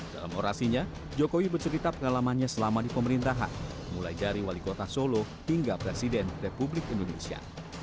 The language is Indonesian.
dalam orasinya jokowi bercerita pengalamannya selama di pemerintahan mulai dari wali kota solo hingga presiden republik indonesia